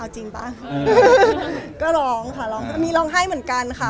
จริงป่ะก็ร้องค่ะร้องก็มีร้องไห้เหมือนกันค่ะ